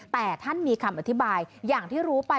แต่ท่านมีคำอธิบายอย่างที่รู้ไป